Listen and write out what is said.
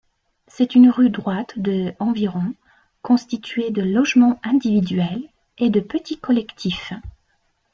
C'est une rue droite de environ, constituée de logements individuels et de petits collectifs.